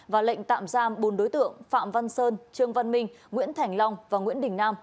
và lệnh tạm giam bốn đối tượng phạm văn sơn trương văn minh nguyễn thành long và nguyễn đình nam